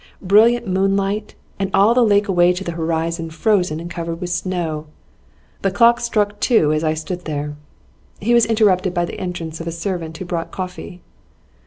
Brilliant moonlight, and all the lake away to the horizon frozen and covered with snow. The clocks struck two as I stood there.' He was interrupted by the entrance of a servant who brought coffee.